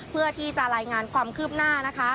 เพื่อที่จะรายงานความคืบหน้านะคะ